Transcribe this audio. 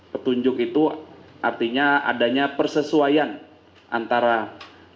petunjuk itu artinya adanya persesuaian antara